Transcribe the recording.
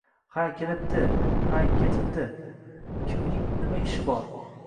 Ha kelibdi, ha ketibdi, Kimning nima ishi bor?!